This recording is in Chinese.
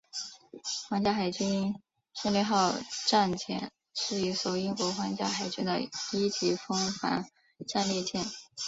皇家海军胜利号战舰是一艘英国皇家海军的一级风帆战列舰。